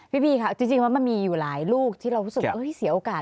พี่บีค่ะจริงว่ามันมีอยู่หลายลูกที่เรารู้สึกว่าเสียโอกาส